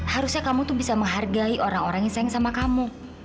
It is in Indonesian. harusnya kamu tuh bisa menghargai orang orang yang sayang sama kamu